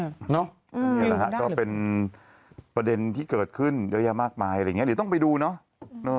ก็เป็นประเด็นที่เกิดขึ้นเยอะแยะมากมายหรืออย่างนี้หรือต้องไปดูเนอะ